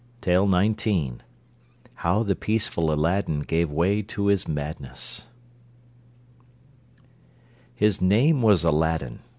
How the Peaceful Aladdin Gave Way to His Madness His name was Aladdin.